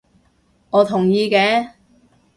我同意嘅